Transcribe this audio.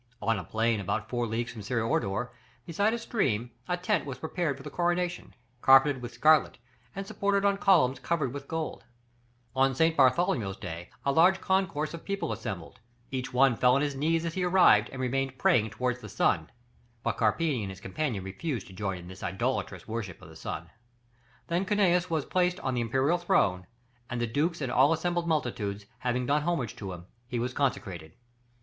On a plain about four leagues from Syra Orda, beside a stream, a tent was prepared for the Coronation, carpeted with scarlet, and supported on columns covered with gold. On St. Bartholomew's day a large concourse of people assembled, each one fell on his knees as he arrived, and remained praying towards the sun; but Carpini and his companion refused to join in this idolatrous worship of the sun. Then Cunius was placed on the imperial throne, and the dukes and all the assembled multitudes having done homage to him, he was consecrated.